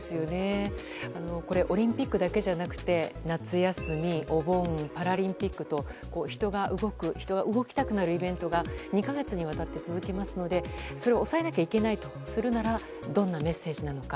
オリンピックだけじゃなくて夏休み、お盆、パラリンピックと人が動く人が動きたくなるイベントが２か月にわたって続きますのでそれを抑えなきゃいけないとするならどんなメッセージなのか。